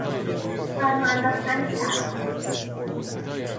زانو انداختن شلوار